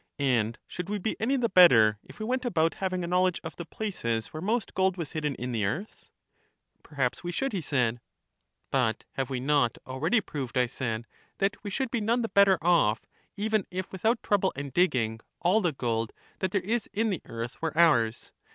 And should we be any the better if we went about having a knowledge of the places where most gold was hidden in the earth? Perhaps we should, he said. But have we not already proved, I said, that we should be none the better off, even if without trouble and digging all the gold that there is in the earth were ours?